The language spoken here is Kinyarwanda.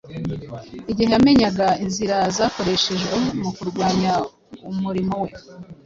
Igihe yamenyaga inzira zakoreshejwe mu kurwanya umurimo we,